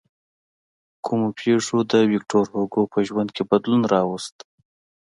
کومو پېښو د ویکتور هوګو په ژوند کې بدلون راوست.